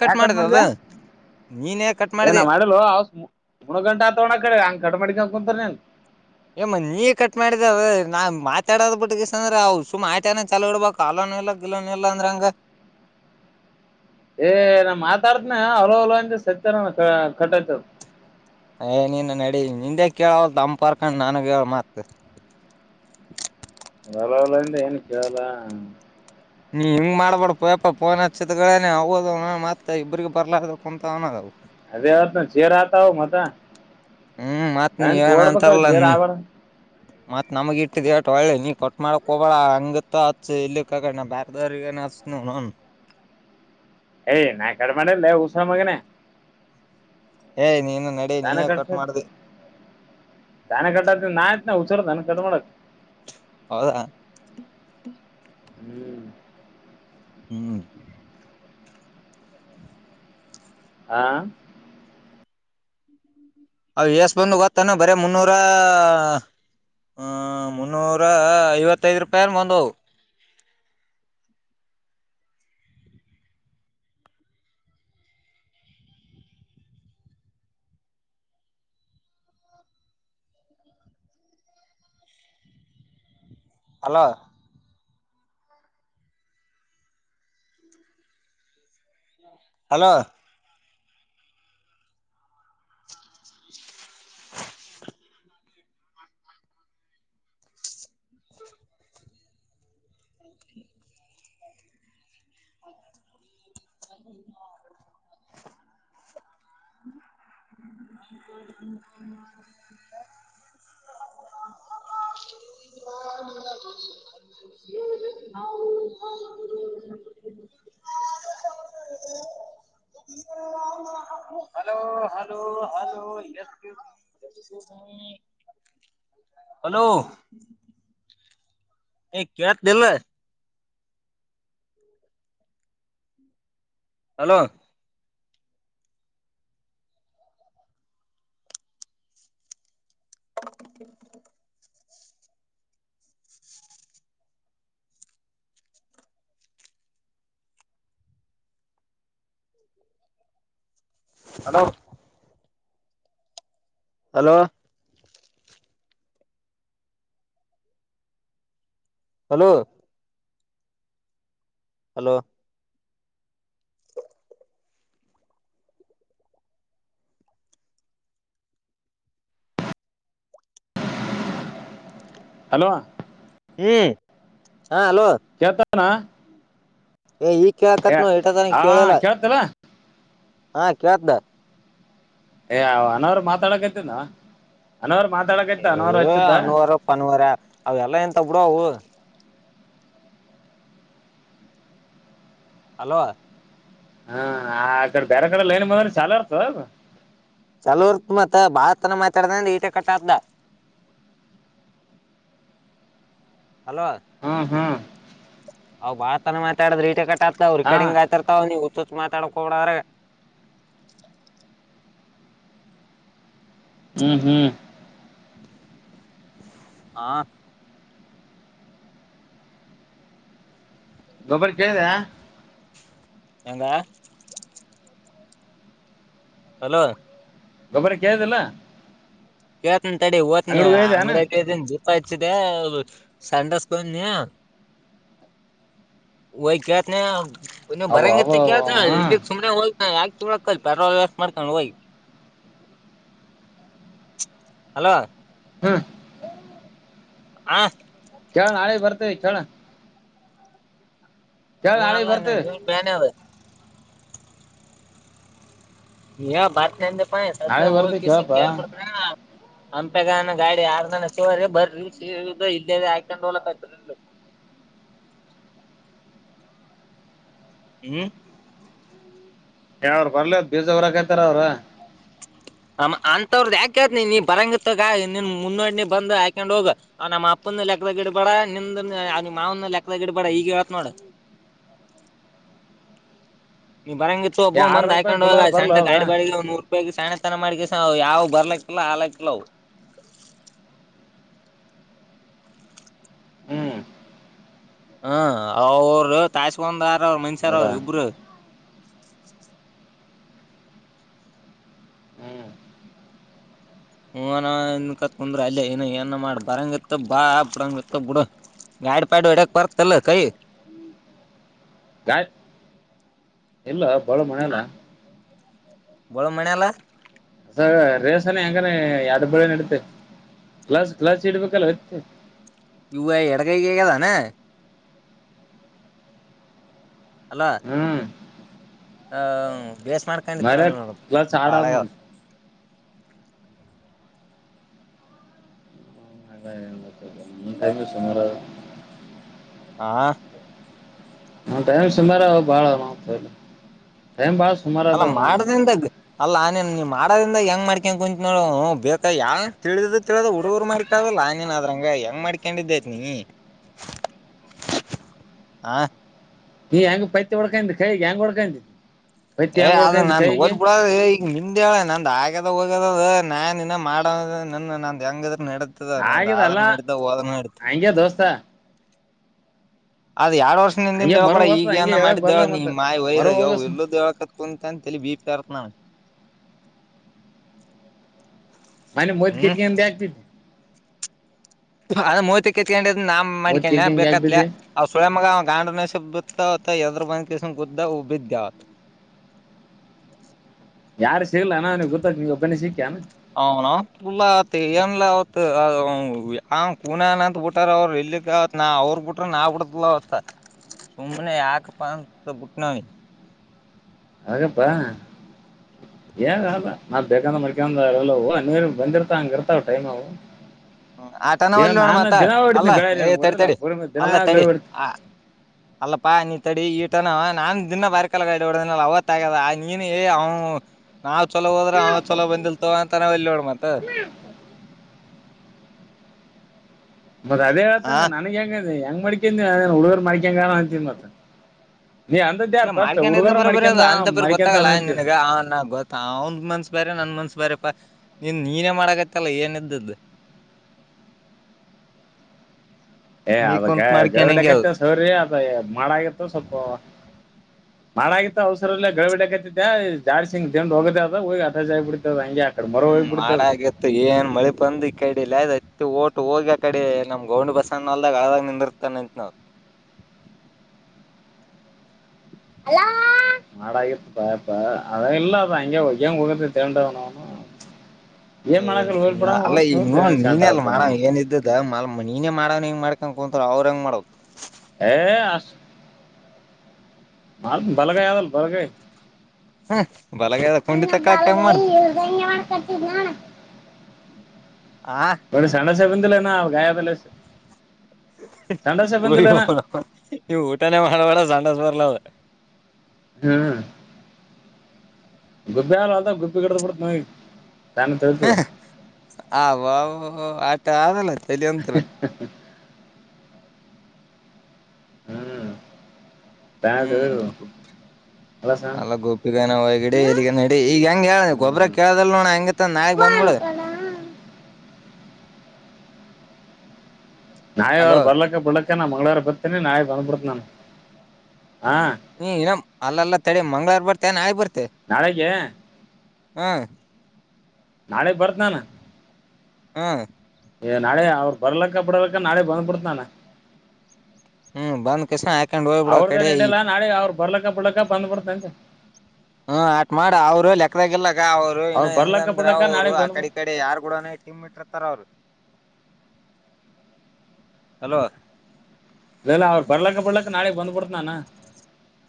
Cut ಮಾಡದ ಅದ ನೀನೇ ಕಟ್ ಏನ ಮಾಡಿದೆ ಮಾಡಲ್ುಣ ಗಂಟ ಆತವಣ್ಣ ಕಡೆ ಹಂಗ ಕಟ ಮಾಡಿಕ ಕುಂತರ ನೀನು ಏ ಮ ನೀ ಕಟ್ ಮಾಡಿದದ ನಾ ಮಾತಾಡೋ ಬಿಟ್ಟಿಗೆ ಅಂದ್ರ ಸು ಮಾಟನ ಚಲೋ ಇಡ್ಬೇಕು ಅಲೋ [unintelligible] ಎಲ್ಲ ಗಲ್ಲನ ಎಲ್ಲಾ ಅಂದ್ರಾ ಎಂಗ ಏ ನಾ ಮಾತಾಡ್ತನ ಹಲೋಲ ಅಂದ ಸತ್ಯನ ಕಟ್ಟಾಯ್ತು ಏ ನೀನು ನಡಿ ನಿಂದೆ ಕೇಳಲ್ ತಂಪರ್ಕಂಡು ನಾನಗ ಹೇಳ ಮತ್ [inaudible] ರಲಾವಲಂತ ಏನ ಕಲ [unintelligible] ನೀ ಹಿಂಗ್ ಮಾಡ್ಬೇಡ್ ಪಪ ಫೋನ್ ಹಚ್ಚಿದಗಳೇನೆ ಹದು [unintelligible] ಮತ್ತ ಇಬ್ರ ಬರ್ಲಾರ ಕುಂತ ಅನೋದವು ಅದೇ ಅವತ್ತು ಚೆರ ಆತ ಅವ್ ಮತ ಹ್ಮ್ ಮತ್ ನೀ ಫ್ರೆಂಡ್ಸ್ ಎನ ಓಡ್ಬೇಕ ಅಂತರಲ್ಲ ಜೇರ್ ನೀ ಆಬಾರ ಮತ್ ನಮಗ ಇಟ್ಟಿದಟ್ ಒಳ್ಳೆ ನೀ ಕೊಟ್ ಮಾಡಕ್ ಹೋಗಬಳ ಹಂಗತ್ ಅತ್ ಇಲ್ಲಿಕ್ಕಕ ಬವ [unintelligible] ನಚನು ನನ್ನ್ ಏಯ್ ನಾ ಕಡಿ ಮಾಡಲ್ಲ ಹುಚ್ಚನನ್ನಮಗನ ಏಯ್ ನೀನು ನಡಿ ತಾನ ನೀನೇ ಕ ಕಟ್ [unintelligible] ಮಾಡ್ದಿ ತನೆ ಕಟ್ಟ ನ ಹಸಾರ [unintelligible] ನನ್ ಕಟ್ ಮಾಡಕ್ ಹೌದ ಹ್ಮ್ ಹ್ಮ್ ಆ ಅ ಎಷ್ಟ ಬಂದದ್ ಗೊತ್ತೇನು ಬರೆ ಮುನ್ನೂರ ಹ್ಮ ಮುನ್ನೂರ ಐವತ್ತೈದ್ ರೂಪಾಯಿ ಅನ್ ಬಂದವಾ ಹಲೋ ಹಲೋ ಹ್ಮ [unintelligible] [inaudible] ೌ [unintelligible] [inaudible] hello, hello, hello, yes [unintelligible] hello ಏ ಕೇಳ್ತದಿಲ್ಲ? Hello [unintelligible] hello hello hello hello hello ಹ್ಮ್ ಹಾ ಹಲೋ ನಾ ಏ ಈಗ ಏ ಕೇಳಕತ್ ನೋ ಇಟ ತನ ಹ ಕೇಳಿಲ್ಲ ಕೇಳ್ತಲ್ಲ. ಹಾ ಕೇಳ್ತದ. ಏ ಅನವ್ರ ಮಾತಾಡಕತ್ತನ. ಅನ್ವಾರ ಪನ್ವಾರ ಅವ ಎಲ್ಲ ಎಂತ ಬಿಡು ಅವು. ಹಲೋ ಹ್ಮ ಆ ಅ ಕಡೆ ಬೇರೆ ಕಡೆ ಲೈನ್ ಬಂದ್ರೆ ಚಾಲು ಇರ್ತದ ಅದು. ಚಲೋ ಇರ್ತ್ ಮತ್ತ ಬಾಳತನ ಮಾತಾಡ್ದ ಈಟ ಕಟ್ಟಾತದ. [inaudible] ಹ್ಮ ಹ್ಮ ಅವ್ ಬಾಳತನ ಮಾತಾಡಿದ್ರ ಈಟೆ ಕಟ್ ಆತದ ಅವ್ ಹಾ ರೇಕಾರ್ಡಿಂಗ್ ಆತಿರ್ತವ್ ನೀವ್ ತ್ ಮಾತಾಡಕೋಗ್ಬಡ ಅದ್ರಗೆ. ಹ್ಮ್ ಹ್ಮ್ [unintelligible] ಗೊಬ್ಬರ ಕೇಳಿದ? ಎಂಗ [unintelligible] ಹಲೋ ಗೊಬ್ಬರ ಕೇಳ್ದಿಲ್ಲ? ಕೇಳ್ತಿನ ತಡಿ ಓತನಿ ಅಂಗ್ಡಿಯಗ್ ಇದಿನಿ. ಚ್ಚಿದೆ ಸಂಡಾಸ್ಕ ಬಂದನೀಯಾ. ವ ಕತ ಒ ಅವ ಭರಂಗ ಅವ ಕತ ಹಾ ಇಲ್ಲಿ ಸುಮ್ನೆ ಹಾ ಯಾಕೆ ಚಳಕಲ್ ಪೆಟ್ರೋಲ್ ವೇಸ್ಟ್ ಮಾಡ್ಕೊಂಡ ಹೋಗಿ. ಹಲೋ ಹ್ಮ ಹ [unintelligible] ಬರ್ತೇವಿ ಕೇಳ ಕೇಳ ಹ್ಮ ನಾಳೆ ಅಲ್ಲನ್ನ ಬರ್ತೀವಿ ನೀ ಪ್ಯಾನೆ ಅದು. ಯ ಬಾರತೆ ಅಂದ್ಯಪ ಸದ್ಯ ನಾಳೆ ಹೋಗ್ ಬರ್ತೀವಿ ಕೇಸ್ ಕೇಳಪ್ಪ ಕೇಳ್ ಕೊಡ್ತೆ ಹಂಪೆಗನ ಗಾಡಿ ಆರ್ ನನ ಶಿವ್ರಿ ಬರ್ರಿ ಇದ್ದೇದ ಹಾಕೊಂಡ್ ಹೋಗಲಕ ಆತ್ ಇ [inaudible] ಹ್ಮ್ ಯಾವ್ರ ಬರ್ಲ ಬೀಜ ಊರಕತಾರ ಅವ್ರು. ಅ ಅಂತವ್ರ್ದ ಯಾಕತ್ ನೀ ಬರಂಗತ್ತಗ ನೀನ್ ಮುನ್ನೋಡನ ಬಂದ ಹಯಕೊಂಡ್ ಹೋಗ ನಮ್ಮ ಅಪ್ಪನ್ದು ಲೆಕ್ದಗಿಡಬೇಡ ನಿಮ್ದ ಮಾವನ ಲೆಕ್ದಗಿಡಬೇಡ ಈಗ ಹೇಳತ್ ನೋಡು. [inaudible] ನೀವು ಬರಂಗಿತ್ತು ಏ ಒಬ್ಬ ಬಂದ ಆರ್ನೂರು ರೂಪಾಯಿ ಹಾಕೊಂಡ್ಗಾಗ ಬುಲಾರ ಬರ್ಲ [unintelligible] ಅದ ಗಾಡಿ ಬಾಡಿಗೆ ಒ ನೂರು ರುಪಾಯಿಗೆ ಸಣ್ಣ ತನ ಮಾಡಿ ಹ ಯಾವ ಬರ್ಲಕ್ಕಿಲ್ಲ ಆಲಕ್ಕಿಲ್ಲ. ಹ್ಮ್ ಹ್ಮ ಅವರು ತಾಯಸ್ಕಂದಾರ ಅವರು ಮನುಷ್ಯಾರ ಹೌದಾ ಅವರು ಇಬ್ರು. ಹ್ಮ್ ಹನನ್ ಕತ್ಕಂದ್ರ ಅಲ್ಲೇ ಏನ ಏನ ಮಾಡ ಬರಂಗ ಇತ್ತ ಬಾ ಬುಡಂಗ ಇತ್ತ ಬಿಡ. ಗಾಡ್ ಪಾಡು ಎಡಕ್ ಪರ್ಕ್ ತಲ್ಲ ಕೈ. ಗಾಯತ್ ಇಲ್ಲ ಬಾಳ ಮನಲ್ಲ. [unintelligible] ಮಣಲ್ಲ. ರೇಸಾನ ಹೆಂಗಾನ ಯಡು ಬಳಿ ನಡತೆೆ. ಕ್ಲಾಸ್ ಕ್ಲಾಸ್ ಇಡ್ಬೇಕಲ್ಲ ಹೊತ್ತು ಇವು ಎಡಗೈ ಕಗದಾನ ಅಲ [inaudible] ಹ್ಮ್ ಹ ಬೇಸ್ ಮಾಡ್ಕೊಂಡಿತ್ತು ಮರ ಕ್ಲಚ್ ಪಾಡಗ. ಆಡೋನು [unintelligible] ಹಾ [inaudible] ನ ಟೈಮ್ ಸುಮಾರು ಬಾಳ ಮಾಡತ. ಅಲ್ಲ ಮಾಡ್ದಿಂದಗ್. ಅಲ್ಲ ಆ ನೀನ್ ನೀ ಮಾಡದ್ರಿಂದ ಹೆಂಗ್ ಮಾಡ್ಕ ಕುಂತ್ ನೋ ಬೇಕ ಯ ತಿ ತಿ ಹುಡುರು ಮಾಡಕ. ಲನ್ನ್ ಅದ್ರಂಗ ಹೆಂಗ್ ಮಾಡ್ಕೊಂಡಿದ್ದೈತ್ ನೀ. ಆ [inaudible] ಈ ಹೆಂಗ ಪೈತಿ ಒಡ್ಕ ಕೈ ಹೆಂಗ ಹೊಡ್ಕಂತಿ. ಏ ಅದ್ ನಾ ಓದ್ ಬಿಡದ ಈಗ ನಿಂದೆ ಹೇಳ ನಂದ್ ಆಗ್ಯದ ಹೋಗ್ಯದದ. ನಾನ್ ಇನ್ನ ಮಾಡ ನನ್ನ ನಂದ್ ಹೆಂಗಿದ್ರ ನಡತದ ನಂದ ಆದ್ರ ಆಗ್ಯದಲ್ಲ ನಡ್ದ ಹೋದ್ರ ನಡತ. ಹಂಗೆ ದೋಸ್ತ ಅದ್ ಎರಡ್ ವರ್ಷ ನಿಂದಾ ಹಂಗೆ ಮರ ಹೇಳೇಳ್ಬಡ ಈಗ ಹೋಗ್ತದ ಹಂಗೆ ಏನ ಹೇಳಕ್ ಮಾಡಿ ಹೇಳ ಬರ್ಲ ನೀ ಮತ್ತ ಮಾ ಮರ ಒಯದ ಯಾವ ಹೋಗಸ ಎಲ್ಲೂ ಹೇಳಕ ಕುಂತ ಅಂತ ಬಿ ಪಿ. [unintelligible] ಮನೆ ಮೊದ್ ಹ್ಮ್ ಕೆತ್ಗ ಆಗ್ತತಿ. ಅದು ಮೂರ್ತಿ ಕೆಚ್ಚಿಕೊಂಡಿದ್ದು ನಾನ್ ಮೂತ್ ಮಾಡಿದ್ನಾ ಕಿತ್ಕೊಂಡ್ ಯಾಕ್ ಬೇಕಂತೆ ಬಿದ್ದಿ ಅವ್ರ್ ಸೂಳೇಮಗ ಗ ಡು ಯದ್ರಬ ಕಷ ಗುುದ್ದ ಬಿದ್ಯಾತ್ [unintelligible] ಯಾರೇ ಸಿಗ್ಲಿಲ್ಲ ಏನು ಗೊತ್ತಾ ನೀನೊಬ್ಬನೇ ಸಿಕ್ಕೆ ಏನು ಅವನ ಪುಲ್ಲ ಆತ್ ಏನ್ಲ ಅವತ್ ಕೂನನ್ ಅಂತತ್ ಬಿಟಾರ ಅವರು ಇಲ್ಲಿಕ್ಕ ಅವತ್ ನಾ ಅವ್ರ ಬಿಟ್ರ ನಾವು ಡಲತ ಸುಮನೆ ಆಗ ಪಂತ ಬುಟ್ ನಾವ ಹಪ್ಪಾ ಹಏಗ ಅಲ್ಲ ನಾವ್ ಬೇಕಂದ ಮಡ್ಕಂದಲ್ಲ ನೀರ್ ಬಂದಿರ್ತ ಹಂಗ ಇರ್ತಾವ್ ಟೈಮ್ವು ಹ್ಮ ಆಟನವಲ್ಲಿ ನೋಣ ಮಾತ್ತ ಅಲ್ಲಾ ಗಳರಿ ಏ ತಡಿ ಹೊಡೆದಿಲ್ಲ ತಡಿ ಪೂರ್ವ ದಿನ ಅಲ್ಲ ಗಳ ತಡಿ ಹೊಡಿತೀನಿ ಆ ಅಲ್ಲಪ್ಪ ನಿನ್ ತಡಿ ಈಗ ನಾನ್ ದಿನ ಬರಕ್ಕೇ ಆಗಲ್ಲ ಬಿಡು ಅವತ್ ಆಗ್ಯದ ನೀನು ಹೇ ಅವನು ನಾವ್ ಚೊಲೋ ಹೋದ್ರ ಅವ ಚಛಲ ಬಂದಿಲ್ತವ ಅಂತ ನಾವ್ ಎಲ್ಲಿ ನೋಡ ಮತ್ ಮತ್ತತ್ ಅದೇ ಹ ಹೇಳ್ತಾನ ನನ್ಗ್ ಹೆಂಗ ಹೆಂಗ ಮಾಡ್ಕಂತ ಅದ ಹುಡುಗರ್ ಮಾಡ್ಕಂಗ ಅಂತೀನ್ ಮತ್ತ ನೀ ಅಂದದ್ ಯಾರ್ ಇಲ್ಲ ಫಸ್ಟ್ ಮಾಡ್ಕನ್ ಇದ ಹುಡುಗರ ಬರೋ ಬರ ಅದ ಮಡ್ಕೊಂಡ ಅಂತ ಬರ ಮಡ್ಕೊಂತಾನ ಗೊತ್ತಾಗಲ್ಲ ಅಂತಿ ನಿನ್ಗ ನ ಗೊತ್ತ ಅವ್ನ್ ಮನ್ಸ್ಸ ಬೇಾರೆ ನನ್ ಮನ್ಸ್ ಬೇಾರೆ ನೀನ್ ನೀನೇ ಮಾಡಕತ್ತಲ್ಲ ಏನ್ದ್ದು ಏ ಅದಕ್ಕೆ ಗೌಡೆ ಅದು ಕತ್ತ ಸವರಿ ಅದ ಮಾಡಾಗಿತ್ತು ಸ್ವಲ್ಪ ಮಾಡಗತ್ತು ಅವಸರಲ್ಲ ಗಗಳ ಬಿಡಕ್ತ್ತತೆ ಜಾರ್ಸಂಗ್ ದಂಡ್ ಹೋಗದ ಅದ ಹೋಗಿ ಹ ಜ್ಬ ಬಿಡ್ ಹ್ಮಮಾಡ ಆಗಿತ್ತು ಏನ್ ಮಳೆ ಬಂದು ಕೈ ಕಡಿಲ್ಲ ಮ ಓಟು ಹೋಗಿ ಆ ಕಡೆ ನಮ್ ಗೌಂಡಿ ಬಸ್ಸ ಅಣ್ಣ ಅಲ್ದಾಗ ಆಾಗ ನಿಂದಿರ್ತಾನ ಅಂತ ನಾವವು [inaudible] ಅಲಾ ಮಾಡಗತ್ತು ಪಪ ಅದ ಇಲ್ಲ ಅದ ಹಂಗೆ ಹೋಗ್ಯ್ಯಾಂಗ ಹೋಗತಿ ತೊಂಡವ್ನವ್ನು ಏ ಅಲ್ಲ ಈಗ ಸೆಂಟ ನೀನ ಅಲ್ಲ ಆದ ಮಾಡವ ಏನ ಇದ್ದದ ನೀನೇ ಮಾಡವನ ಹೆಂಗ ಮಾಡ್ ಹೆಗೆ ಕುಂತಾರೆ ಅವ್ರಹೆಂಗೆ ಮಾಡೋದು ಅ [inaudible] ಮಾಲ್ ಬಲಗೈ ಅದಲ್ ಬಲಗೈ ಹ್ಮ ಬಲಗದ ಕುಂಡಿತಕ್ಕ ಹಾಕಿ ಹಂಗ ಮಾಡ್ತ ಒ ಸಣ್ಣಸೇಬಂದಲ್ಲ ನ ಗಾಯಬಲ್ಲ ನೀವು ಊಟನೇ ಮಾಡಬೇಡ ಸಂಡಸ್ ಬರ್ಲದ ಹ್ಮ್ ಗುಬ್ಬಿ ಆಲ್ಲ ಅದ ಗುಬ್ಬಿ ಗಿಡ್ದ ಬಿಡ ನ ಆ -ಆಟ ಆದಲ್ಲ ಚಲ ಅಂತ [inaudible] ಬದು ಹ್ಮ್ [unintelligible] ಅಲ್ಲ ಗೋಪಿಗನ ಹಗಿಡಿಗಡಿ ಈಗ ಹೆಂಗ ಹೇಳ ಗೊಬ್ರ ಹ್ಮ್ ಕೇಳದ ನೋಡ ಹೆಂಗತ್ತ ನಾಯಳಗ್ ಬಂದ್ಬಿಡ [inaudible] ನಾವಿ ಅಲೋ ಅವ್ರು ಬರ್ಲಕ್ಕ ಬಿಡ್ಲಕ ನಾ ಮಂಗ್ಳವಾರ ಬರ್ತೇನಿ ನಾಯಿ ಬಂದಬಿಡ್ತ ನನ್ ನೀ- ಇನ ಅಲ್ಲಾ ತಡೆ ಮಂಗಳವಾರ ಬರ್ತ ನಾಳೆ ಬರ್ತೀಯಾ ನಾಳೆಗೆ ಹಾ ನಾಳೆ ಬರ್ತ್ನಾನೀ ನಾ ಹಾ ಏ -ನಾಳೆ ಅವ್ರು ಬರ್ಲಕ್ಕ ಬಿಡಲಕ್ಕ ನಾಳೆ ಬಂದ್ಬಿಡ್ತನಾನ ಹ್ಮ್ ಬಂದ್ ತಕ್ಷಣ ಅವ್ರದೇನ್ ಹಿಡಿಯಲ್ಲಾ ನಾೆ ಅವ್ರರು ಬರ್ಲಕ್ಕ ಬರ್ಲಕ್ಕ ಬಂದ್ಬಡ್ತಂತೆ. ಹಾಟ್ ಮಾಡು ಕೂಡ ಮರುಲೆಟ್ಟ ಇಲ್ಲ ಅವ್ರು ಬರ್ಲಕ್ಕ ಹಂಗಂದ್ರೆ ಬಿಡ್ಲಕ್ಕ ಅವರು ನಾಳೆ ಆ ಕಡೆ ಈ ಬಂದ್ಬಿಡ್ತ ಕಡೆ ಯಾರ್ಗೂಡನು [unintelligible] ಹಲೋ ಇಲ್ಲ ಅವರು ಪಡ್ಲಕ್ಕ ಪಡ್ಲಾಕ್ಕ ನಳೆ ಬಂದ್ಪಡತದಾನ.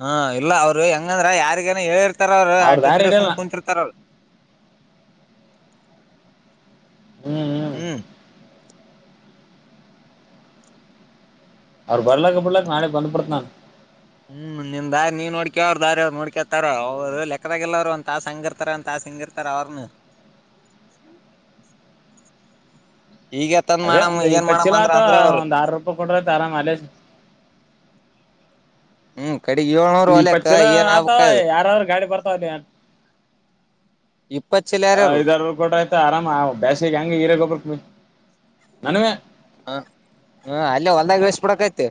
ಹಾ- ಇಲ್ಲ ಅವರು ಹೆಂಗಂದ್ರ ಯಾರಿಗೇನ ಹೇಳಿರ್ ತಾರಾ ಅವರು ಅವ್ರ ದಾರಿ ಹಾಕಿದ್ರೆ ಹಿಡಿಯಲ್ಲ ಸುಮ್ಕುಂತಿರ್ತಾರೆ ಹ್ಮ್ ಅವ್ರು ಬರ್ಲಾಕ್ಕ ಬಿಡ್ಲಾಕ್ ನಾಳ ಬಂದ್ಬಡ್ತನನ್. ಹ್ಮ್ ನಿಮ್ ದಾರಿ ನೀವ ನೋಡ್ಕ ಅವ್ ದಾರಿ ನೋಡ್ಕತಾರ ಹ್ಮ್ ಅವ್ರು ಲೆಕ್ಕದಾಗ ಎಲ್ಲಾರರು ಒಂದ ತಾಸ ಹಂಗಿರ್ತಾರಂತ ತ. ಸಿಂಗರ್ ತರಾವಾರನು. ಈಗತ್ತಂದ್ ಅದೇ ಮಾಡಮ ಒಂದು ಏನ್ ಇಪ್ಪತ್ತು ಮಾಡಮ ಚೀಲ ಅಂದ್ರ ಆತ ಅಂದ್ರ ಅವರು. ಒಂದು ಆರು ರೂಪಾಯಿ ಕೊಟ್ರೆ ಆಯ್ತು ಆರಾಮ್ ಅಲ್ಲೇ [inaudible] ಹ್ಮ್ ಇಪ್ಪ ಹೊಲಕ್ಕ ಚಲೋ ಏನ್ ಆತಾವ ಆಗ್ಬೇಕ ಯಾರಾದ್ರೂ ಗಾಡಿ ಬರ್ತಾವಲ್ಲ. ಇಪ್ಪ ಚಿಲ್ಲರರು. ಆರಾಮ ಬೇಸಿಗೆ ಹೆಂಗ ಹರೇ ಗೊಬರ ನನ್ವೇ. ಹ ಹ್ಮ ಅಲ್ಲಿ ಹೊಲ್ದಾಗ ಇಳಿಸುಬೆಡ್ಬೇಕಿತ್ತು.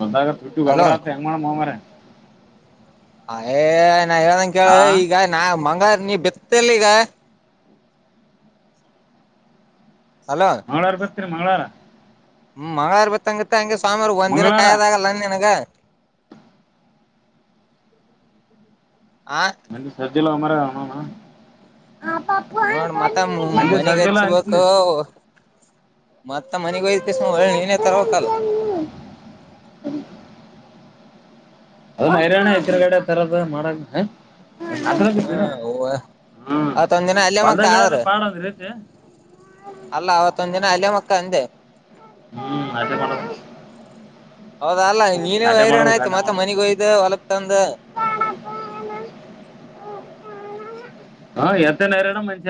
ಬಂದಾಗ [unintelligible] ಟಟ್ಟು ಹಲೋ ಗಬರತೆ ಹೆಂಗಮ್ಮ ಮಾಡ ಮರೆ ಅಯೇ ನಾ ಹೇಳ್ದಂ ಕೇಳ ಆ ಈಗ ನಾ ಮಂಗಾರ ನೀ ಬಿತ್ತಲ್ ಈಗ. ಹಲೋ ಮಂಗಳವಾರ ಬರ್ತ್ರಿ ಮಂಗಳವಾರ. ಹ್ಮ್ ಮಂಗಗಳವಾರ ಬಿತ್ಂಗತ್ತ ಹಂಗೆ ಸ್ವಾಮಿಿಗೆ ಒಂದ ದಿನ ಮಂಗಳವಾರ ಕಾಯದಾಗಲ್ಲ ನನ್ಗ. ಆ ಇಲ್ಲ ಮರ ಆ. ನೋಡ್ ಮತ್ತ [unintelligible] ಮನಿಗ್ ಸಜೆಲ್ಲ ಅಂತ ಹಚ್ಬೇಕು ಮತ್ತ ಮನಗ್ ಹಯ್ತ ಸ ಒಳ್ಳೆ ನೀನೇ ತರ ಹತಲ್ಲ. ಅದ ಹೈರಾಣ ಎಸರುಗಡೆ ತರದ ಮಾಡಕ. ಹ್ಮ ಹ ಹ್ಮ್ ಅವತ್ದ ದಿನ ಅಲ್ಲ ಮಕ್ಕ ಹೊಲ್ದಾಗ ಇಡೋದ ಆದ್ರ. ಪಾಡ ಒಂದ್ ರೀತಿ ಅಲ್ಲ ಅವತ್ತೊಂದ್ ದಿನ ಅಳ ಮಕ್ಕ ಅಂದೆ. ಹ್ಮ್ ಅ ಮಾಡ ಹೌದ ಅಲ್ಲ ನೀನ ಹೈರಾಣ ಆಯ್ತು ಮತ್ತೆ ಮನೆ ಮಾಡ್ಬೇಕು ಹೋಗಿದ್ದು ಹೊಲಗ್ ತಂದ. [inaudible] ಹ ಎತ್ತ ನೇರನ ಮನೆ.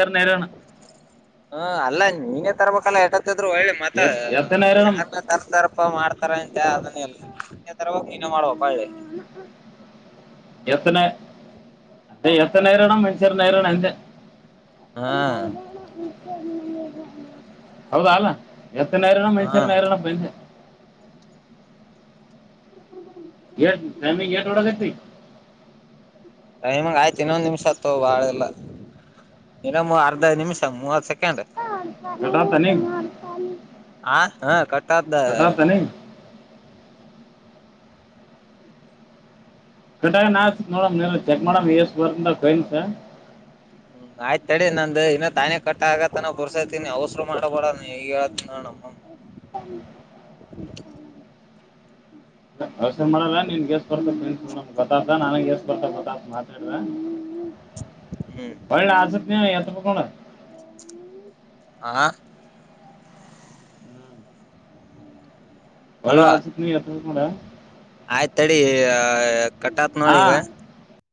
ಹ್ಮ ಅಲ್ಲ ನೀನೇ ತರ್ಬೇಕಲ್ಲ ಯಕ. ದ್ರು ಒಳ್ಳೆ ಮ ಎತ್ ಎತ್ತನ ಹೈರಾಣ ಯಾರನ್ನ ತರ್ತಾರಪ ಮಾಡ್ತಾರ ಅಂತ ಅದನ್ನ ಎಲ್ಲ. ತರಕಿನ ಮಾಡುವ ಪೆ ಎತ್ತನ ಅ ಎತ್ತನೇರಣ ಮ್ಯಾನ್ಷನ್ ನೇರಣ ಅಂತ ಹಾ ಹೌದಾ ಅಲ್ಲ ಎತ್ತನೇರನ ಮೆಣಚರ ಹಾ ನರನ [unintelligible] ಎ ಟೈಮಿಂಗ ಏನ್ ನೋಡಕತಿ ಟೈಮಿಂಗ್ ಆಯ್ತ ಇನ್ನೊಂದ ನಿಮಿಷ ಆತ್ತು ಬಾಳಲ್ಲ ಇನೊಂದು ಅರ್ದ ನಿಮಿಷ ಮೂವತ್ ಸೆಕೆಂಡ್ ಕಂಡ ಈಡಾ ಟೆನಿಗ್ ಹ ಹಾ ಕಟ್ಟ ಆತ್ ಕಟ ಆ ನೋಡಂ ಚೆಕ್ ಮಾಡ ಎಷ್ಟ ಬರ್ತವ್ ಕಾಯಿನ್ [unintelligible] [unintelligible] [unintelligible] [unintelligible] [inaudible] [unintelligible] ಹೋಳಿ ಹಚ್ತಾ ನಾಗ್ ಎತ್ಬೇಕ್ ಹ್ಮ್ ನೋಡ್ ಆ ಹೋಳಿ ಹಲೋ ನಾ ಹಚ್ತಿನಿ ಎತ್ಬೇಕ್ ನೋಡ್ ನೀ ಆಯ್ತಡಿ ಕಟಾತ್ ನೋಡಿ ಹಾ ಈಗ